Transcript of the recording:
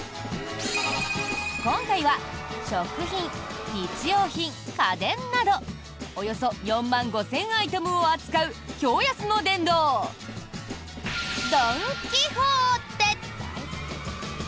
今回は食品、日用品、家電などおよそ４万５０００アイテムを扱う驚安の殿堂ドン・キホーテ。